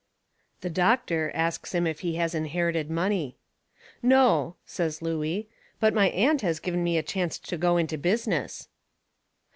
The doctor asts him if he has inherited money. "No," says Looey, "but my aunt has given me a chancet to go into business."